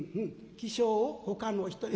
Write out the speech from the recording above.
起請をほかの人に。